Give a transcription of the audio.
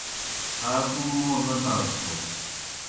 آ کوْم موں نہ تھاس بوْ یا؟